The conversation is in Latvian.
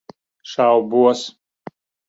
Šaubos.